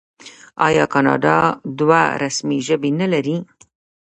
آیا کاناډا دوه رسمي ژبې نلري؟